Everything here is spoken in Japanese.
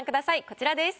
こちらです。